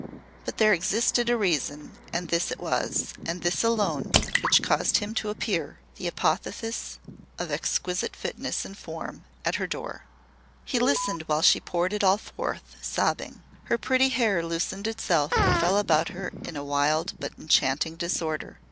But there existed a reason, and this it was, and this alone, which caused him to appear the apotheosis of exquisite fitness in form at her door. He listened while she poured it all forth, sobbing. Her pretty hair loosened itself and fell about her in wild but enchanting disorder.